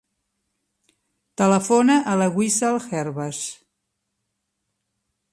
Telefona a la Wissal Hervas.